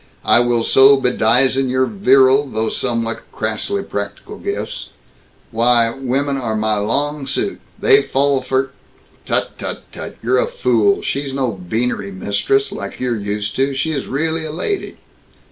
I will so bedizen your virile, though somewhat crassly practical gifts Why, women are my long suit. They fall for " "Tut, tut, tut! You're a fool. She's no beanery mistress, like you're used to. She really is a lady."